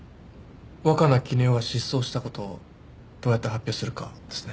若菜絹代が失踪したことをどうやって発表するかですね。